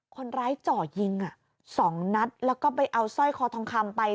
คนร้ายเจาะยิงสองนัดแล้วก็ไปเอาสร้อยคอทองคำไป